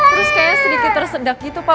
terus kayaknya sedikit tersedak gitu pak